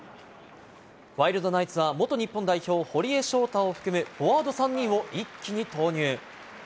ワイルドナイツは、元日本代表、堀江翔太を含むフォワード３人を一気に投入。